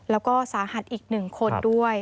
แล้วก็สาหัสอีก๑คนด้วย